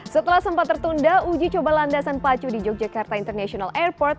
setelah sempat tertunda uji coba landasan pacu di yogyakarta international airport